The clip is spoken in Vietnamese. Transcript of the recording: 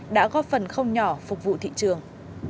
đã góp phần không nhỏ phục vụ thị trường